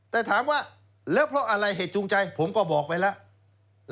แต่ถามว่าแล้วเพราะอะไรเหตุจูงใจผมก็บอกไปแล้ว